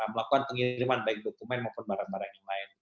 melakukan pengiriman baik dokumen maupun barang barang yang lain